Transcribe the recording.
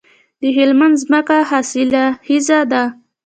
د هلمند ځمکې حاصلخیزه دي